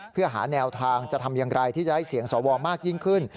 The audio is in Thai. เพื่อหาแนวทางจะทำอย่างไรที่จะได้เสียงสวมากยิ่งขึ้น